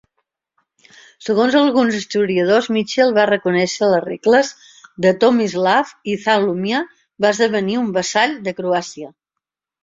Segons alguns historiadors, Michael va reconèixer les regles de Tomislav i Zachlumia va esdevenir un vassall de Croàcia.